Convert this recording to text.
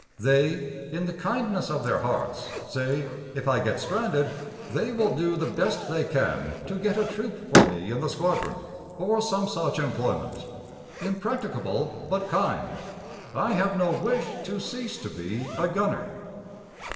They, in the kindness of their hearts, say, if I get stranded, they will do the best they can to get a troop for me in the squadron or some such employment. Impracticable, but kind. I have no wish to cease to be a gunner.